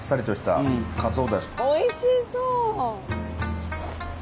おいしそう！